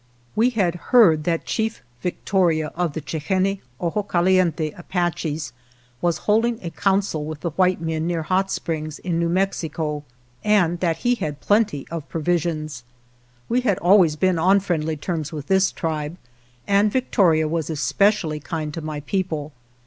We had heard that Chief Victoria of the Chihenne (Oje Caliente) Apaches was hold ing a council with the white men near Hot Springs in New Mexico, and that he had plenty of provisions. We had always been 126 REMOVALS on friendly terms with this tribe, and Vic toria was especially kind to my people.